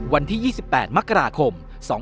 วันที่๒๘มกราคม๒๕๖